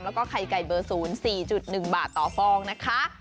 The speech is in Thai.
แล้วก็ไข่ไก่เบอร์๐๔๑บาทต่อฟองนะคะ